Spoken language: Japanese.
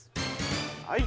はい。